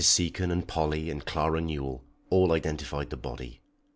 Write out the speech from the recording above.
Seacon and Polly and Clara Newell all identified the body.